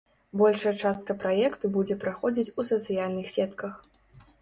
Большая частка праекту будзе праходзіць у сацыяльных сетках.